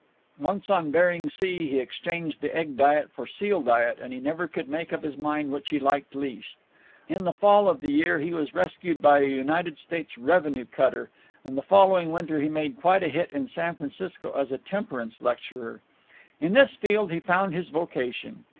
Once on Bering Sea he exchanged the egg diet for seal diet, and he never could make up his mind which he liked least. In the fall of the year he was rescued by a United States revenue cutter, and the following winter he made quite a hit in San Francisco as a temperance lecturer. In this field he found his vocation.